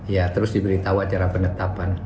ya terus diberitahu acara penetapan